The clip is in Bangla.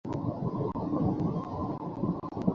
আমরা তার সাথে কোনো ঝগড়া চাই না।